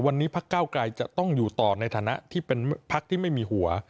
วันนี้พักเก้าไกรจะต้องอยู่ต่อในฐานะที่เป็นพักที่ไม่มีหัว